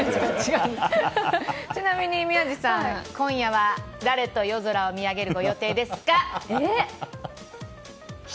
ちなみに宮司さん、今夜は誰と夜空を見上げる予定ですか。